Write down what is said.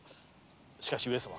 しかし上様